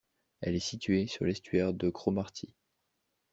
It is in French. Elle est située sur l'estuaire de Cromarty.